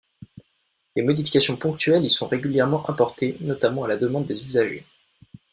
Des modifications ponctuelles y sont régulièrement apportées, notamment à la demande des usagers.